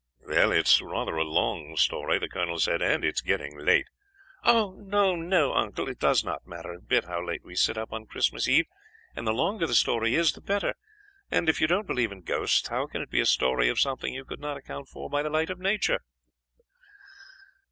"It's rather a long story," the colonel said, "and it's getting late." "Oh! no, no, uncle; it does not matter a bit how late we sit up on Christmas Eve, and the longer the story is, the better; and if you don't believe in ghosts how can it be a story of something you could not account for by the light of nature?"